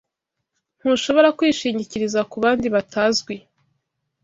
Ntushobora kwishingikiriza kubandi batazwi